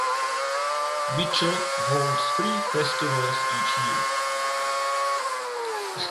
Mitchell holds three festivals each year.